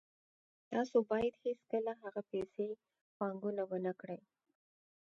تاسو باید هیڅکله هغه پیسې پانګونه ونه کړئ